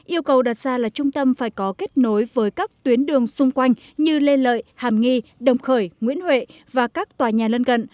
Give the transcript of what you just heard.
yêu cầu đặt ra là trung tâm phải có kết nối với các tuyến đường xung quanh như lê lợi hàm nghi đồng khởi nguyễn huệ và các tòa nhà lân gần